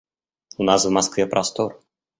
У нас в Москве простор.